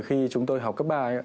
khi chúng tôi học cấp ba